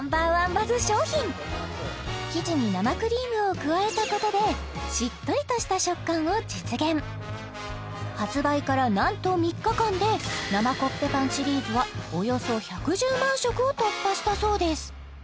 バズ商品生地に生クリームを加えたことでしっとりとした食感を実現発売から何と３日間で生コッペパンシリーズはおよそ１１０万食を突破したそうです